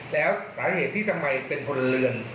แล้วสาเหตุที่ทำไมเป็นคนเรือน